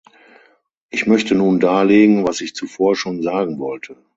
Ich möchte nun darlegen, was ich zuvor schon sagen wollte.